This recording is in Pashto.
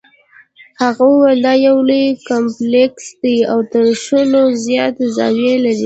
هغه وویل دا یو لوی کمپلیکس دی او تر شلو زیاتې زاویې لري.